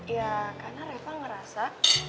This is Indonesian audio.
ya karena reva ngerasa